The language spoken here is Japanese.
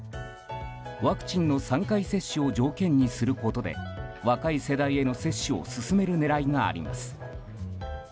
ワクチンの３回接種を条件にすることで若い世代への接種を進める狙いがあります。